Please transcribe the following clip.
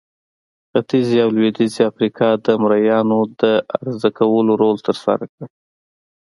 ختیځې او لوېدیځې افریقا د مریانو د عرضه کولو رول ترسره کړ.